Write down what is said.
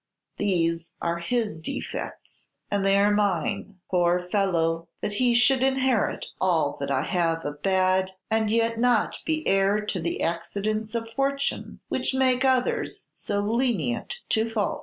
These are his defects, and they are mine. Poor fellow, that he should inherit all that I have of bad, and yet not be heir to the accidents of fortune which make others so lenient to faults!"